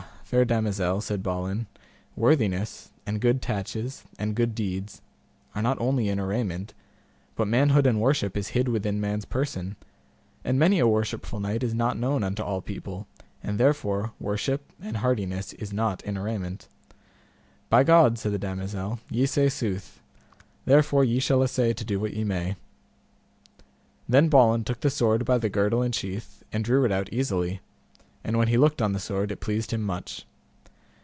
fair damosel, said Balin, worthiness, and good tatches, and good deeds, are not only in arrayment, but manhood and worship is hid within man's person, and many a worshipful knight is not known unto all people, and therefore worship and hardiness is not in arrayment. By God, said the damosel, ye say sooth; therefore ye shall assay to do what ye may. Then Balin took the sword by the girdle and sheath, and drew it out easily; and when he looked on the sword it pleased him much.